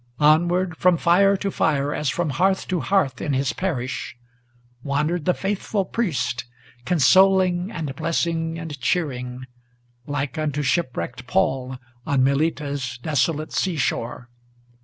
Onward from fire to fire, as from hearth to hearth in his parish, Wandered the faithful priest, consoling and blessing and cheering, Like unto shipwrecked Paul on Melita's desolate sea shore.